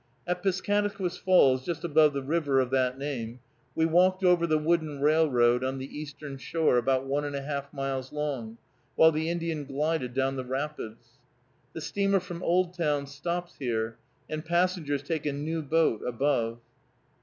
At Piscataquis Falls, just above the river of that name, we walked over the wooden railroad on the eastern shore, about one and a half miles long, while the Indian glided down the rapids. The steamer from Oldtown stops here, and passengers take a new boat above.